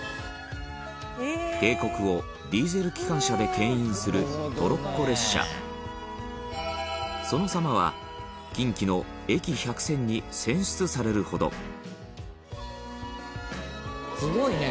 渓谷をディーゼル機関車で牽引する、トロッコ列車その様は近畿の駅百選に選出されるほどすごいね！